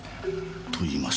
と言いますと？